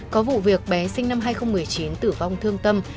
có vụ việc bé sinh năm hai nghìn một mươi chín tử vong thương tâm